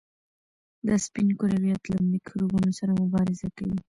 دا سپین کرویات له میکروبونو سره مبارزه کوي.